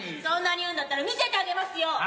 そんなに言うんだったら見せてあげますよ。